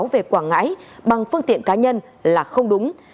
về quảng ngãi bằng phương tiện cá nhân là không đúng